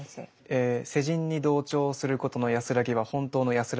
え世人に同調することの安らぎは本当の安らぎなのか。